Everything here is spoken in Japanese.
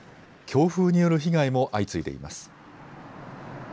強風による被害も相次いでいます。